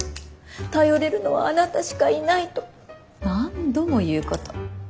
頼れるのはあなたしかいないと何度も言うこと。